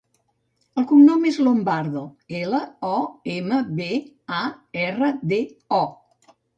El cognom és Lombardo: ela, o, ema, be, a, erra, de, o.